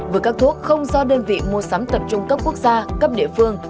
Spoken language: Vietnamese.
với các thuốc không do đơn vị mua sắm tập trung cấp quốc gia cấp địa phương